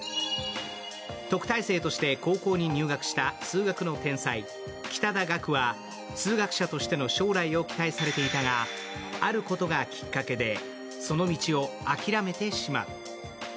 特待生として高校に入学した数学の天才・北田岳は、数学者としての将来を期待されていたが、あることがきっかけで、その道を諦めてしまう。